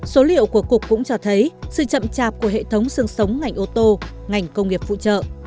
số liệu của cục cũng cho thấy sự chậm chạp của hệ thống sương sống ngành ô tô ngành công nghiệp phụ trợ